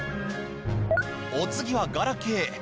お次はガラケー。